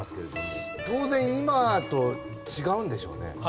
当然今と違うんでしょうね。